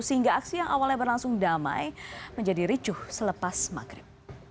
sehingga aksi yang awalnya berlangsung damai menjadi ricuh selepas maghrib